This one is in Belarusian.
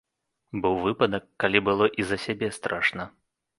Быў выпадак, калі было і за сябе страшна.